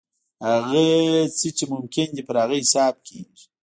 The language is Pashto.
هغه څه چې ممکن دي پر هغه حساب کېږي.